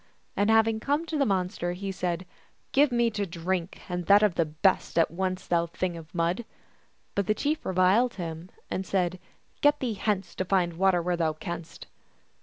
And having come to the mon ster, he said, " Give me to drink, and that of the best, at once, thou Thing of Mud !" But the chief reviled him, and said, " Get thee hence, to find water where thou canst."